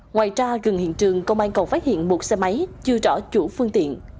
ngoài ra gần hiện trường công an còn phát hiện một xe máy chưa rõ chủ phương tiện